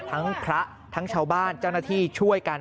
ทั้งพระทั้งชาวบ้านเจ้าหน้าที่ช่วยกัน